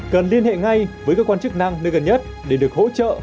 cần liên hệ ngay với cơ quan chức năng nơi gần nhất để được hỗ trợ